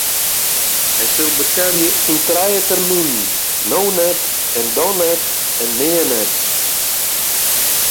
Hy sil betelje yn trije terminen: no net en dan net en nea net.